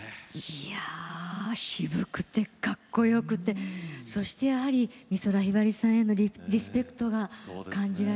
いや渋くてかっこよくてそしてやはり美空ひばりさんへのリスペクトが感じられる。